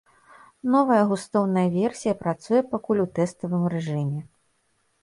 Новая густоўная версія працуе пакуль у тэставым рэжыме.